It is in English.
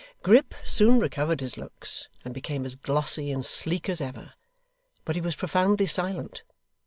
Grip soon recovered his looks, and became as glossy and sleek as ever. But he was profoundly silent.